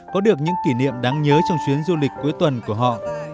có được những kỷ niệm đáng nhớ trong chuyến du lịch cuối tuần của họ